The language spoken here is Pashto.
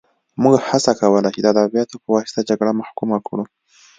موږ هڅه کوله چې د ادبیاتو په واسطه جګړه محکومه کړو